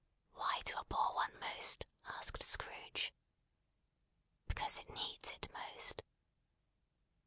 "Why to a poor one most?" asked Scrooge. "Because it needs it most."